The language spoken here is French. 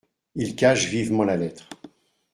Il cache vivement la lettre.